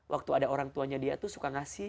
waktu ada orang tuanya dia tuh suka ngasih